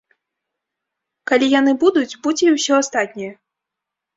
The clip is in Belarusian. Калі яны будуць, будзе і ўсё астатняе.